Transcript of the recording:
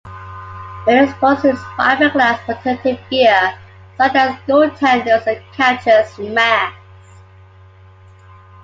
Many sports use fiberglass protective gear, such as goaltenders' and catchers' masks.